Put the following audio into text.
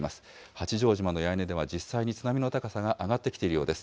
八丈島の八重根では実際に津波の高さが上がってきているようです。